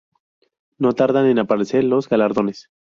No tardan en aparecer los galardones.